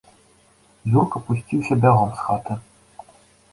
Юрка пусціўся бягом з хаты.